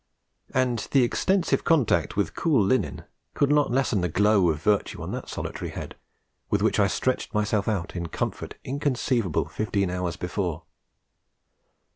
And the extensive contact with cool linen could not lessen the glow of virtue, on that solitary head, with which I stretched myself out in comfort inconceivable fifteen hours before.